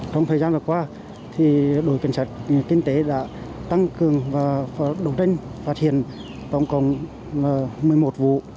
trong thời gian vừa qua đội cảnh sát kinh tế đã tăng cường và đầu tranh phát hiện tổng cộng một mươi một vụ